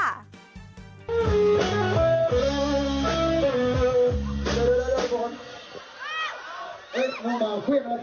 เดี๋ยวทุกคน